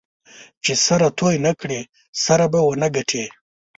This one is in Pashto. چې سره توی نه کړې؛ سره به و نه ګټې.